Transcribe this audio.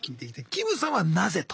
キムさんはなぜと？